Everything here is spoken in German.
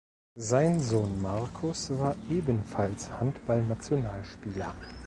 Sein Sohn Markus war ebenfalls Handballnationalspieler.